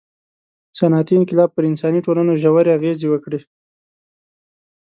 • صنعتي انقلاب پر انساني ټولنو ژورې اغېزې وکړې.